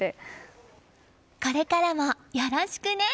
これからもよろしくね。